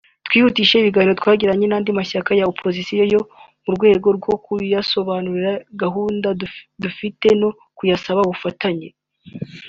Kwihutisha ibiganiro twatangiye n’andi mashyaka ya Opozisiyo mu rwego rwo kuyasobanurira gahunda dufite no kuyasaba ubufatanye